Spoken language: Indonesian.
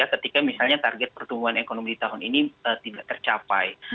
ketika misalnya target pertumbuhan ekonomi di tahun ini tidak tercapai